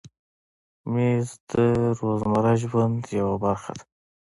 مېز د روزمره ژوند یوه برخه ده.